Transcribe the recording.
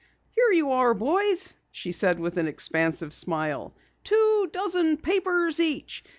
"Here you are, boys," she said with an expansive smile. "Two dozen papers each.